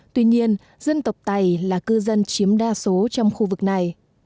tuy nhiên dân tộc tày là cư dân chiếm đa số trong khu vực này